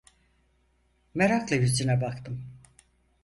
Merakla yüzüne baktım.